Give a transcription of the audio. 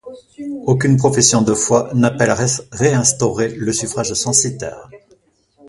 Aucune profession de foi n'appelle à réinstaurer le suffrage censitaire.